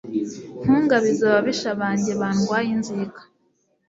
Ntungabize ababisha banjye bandwaye inzika